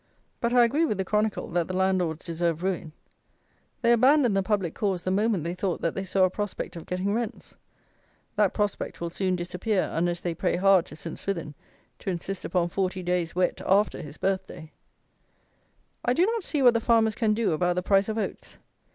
But I agree with the Chronicle that the landlords deserve ruin. They abandoned the public cause the moment they thought that they saw a prospect of getting rents. That prospect will soon disappear, unless they pray hard to St. Swithin to insist upon forty days wet after his birth day. I do not see what the farmers can do about the price of oats.